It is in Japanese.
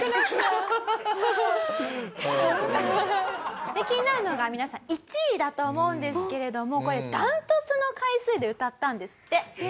気になるのが皆さん１位だと思うんですけれどもこれ断トツの回数で歌ったんですって。